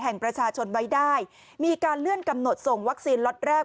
แห่งประชาชนไว้ได้มีการเลื่อนกำหนดส่งวัคซีนล็อตแรก